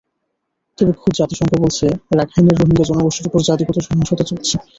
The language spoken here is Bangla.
তবে খোদ জাতিসংঘ বলছে, রাখাইনের রোহিঙ্গা জাতিগোষ্ঠীর ওপর জাতিগত সহিংসতা চলছে।